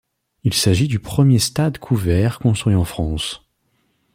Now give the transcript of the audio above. Il s'agit du premier stade couvert construit en France.